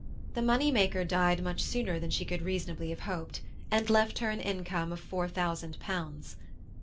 The money maker died much sooner than she could reasonably have hoped, and left her an income of four thousand pounds.